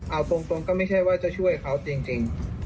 เอาตรงก็ไม่ใช่ว่าจะช่วยเขาจริง